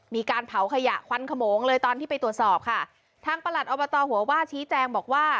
มีการเผาขยะควันขโมงเลยตอนที่ไปตรวจสอบค่ะทางประหลัดอบตหัวว่าชี้แจงบอกว่า